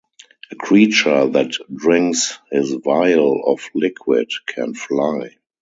A creature that drinks this vial of liquid can fly